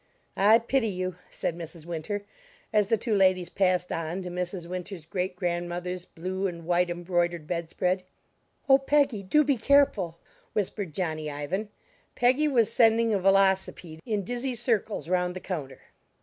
"I pity you," said Mrs. Winter, as the two ladies passed on to Mrs. Winter's great grandmother's blue and white embroidered bedspread. "Oh, Peggy, do be careful!" whispered Johnny Ivan; Peggy was sending a velocipede in dizzy circles round the counter.